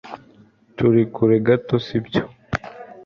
Turi kure gato sibyo